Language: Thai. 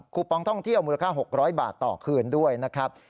ปองท่องเที่ยวมูลค่า๖๐๐บาทต่อคืนด้วยนะครับ